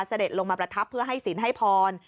เสด็จลงมาประทับเพื่อให้ศีลให้พร